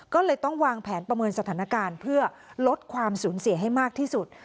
ก็เลยต้องวางแผนประเมินสถานการณ์เพื่อลดความสูญเสียให้มากที่สุด